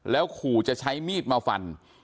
แล้วขู่จะใช้มีดมาฟัน